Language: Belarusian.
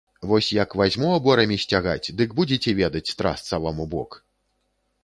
Вось як вазьму аборамі сцягаць, дык будзеце ведаць, трасца вам у бок!